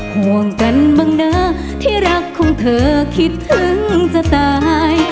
ห่วงกันบ้างนะที่รักของเธอคิดถึงจะตาย